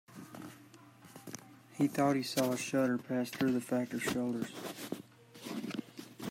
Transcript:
He thought he saw a shudder pass through the Factor's shoulders.